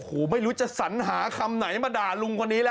โอ้โหไม่รู้จะสัญหาคำไหนมาด่าลุงคนนี้แล้ว